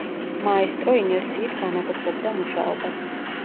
მაესტრო ინერციით განაგრძობდა მუშაობას.